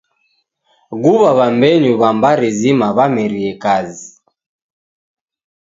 Guw'a w'ambenyu w'a mbari zima w'amerie kazi.